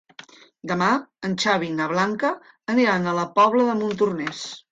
Demà en Xavi i na Blanca aniran a la Pobla de Montornès.